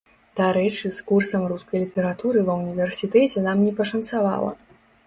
Дарэчы з курсам рускай літаратуры ва ўніверсітэце нам не пашанцавала.